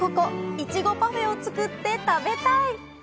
いちごパフェを作って食べたい！